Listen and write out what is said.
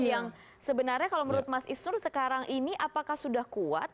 yang sebenarnya kalau menurut mas isnur sekarang ini apakah sudah kuat